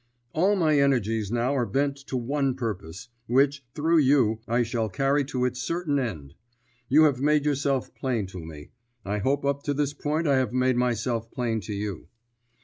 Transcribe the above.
"All my energies now are bent to one purpose, which, through you, I shall carry to its certain end. You have made yourself plain to me. I hope up to this point I have made myself plain to you."